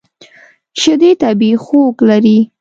شیدې طبیعي خوږ لري.